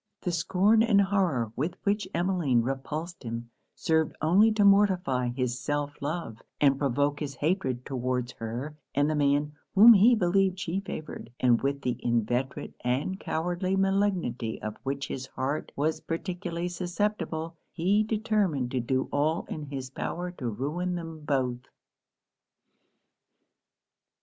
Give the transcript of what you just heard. The scorn and horror with which Emmeline repulsed him served only to mortify his self love, and provoke his hatred towards her and the man whom he believed she favoured; and with the inveterate and cowardly malignity of which his heart was particularly susceptible, he determined to do all in his power to ruin them both.